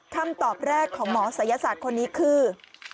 คำตอบแรกของหมอศัยศาสตร์คนนี้คือ